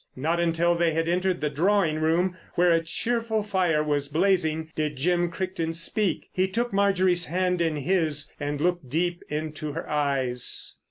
Not until they had entered the drawing room, where a cheerful fire was blazing, did Jim Crichton speak. He took Marjorie's hand in his and looked deep into her eyes.